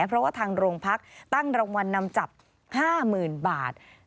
เพราะว่าทางโรงพักตั้งรางวัลนำจับ๕๐๐๐บาท